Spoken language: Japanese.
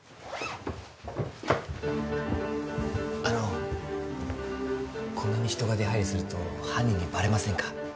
あのこんなに人が出入りすると犯人にバレませんか？